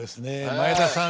前田さん